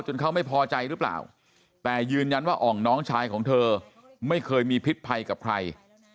เขาไม่พอใจหรือเปล่าแต่ยืนยันว่าอ่องน้องชายของเธอไม่เคยมีพิษภัยกับใคร